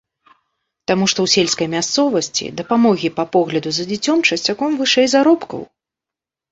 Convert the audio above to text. Таму што ў сельскай мясцовасці дапамогі па догляду за дзіцем часцяком вышэй заробкаў.